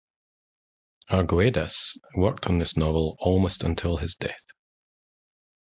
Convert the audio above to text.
Arguedas worked on this novel almost until his death.